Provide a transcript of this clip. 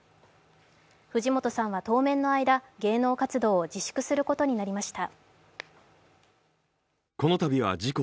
藤本さんは当面の間、芸能活動を自粛することになりました。